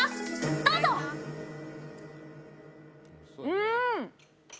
うん！